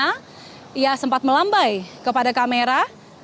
pertanyaan terakhir dari pemimpin pertama ibu mevri